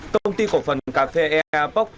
công ty cổ phần cà phê earpop